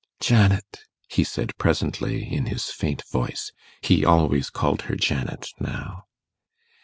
'Janet,' he said presently, in his faint voice he always called her Janet now.